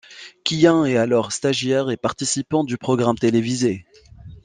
Kihyun est alors stagiaire et participant du programme télévisé.